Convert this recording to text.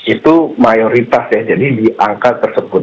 itu mayoritas ya jadi di angka tersebut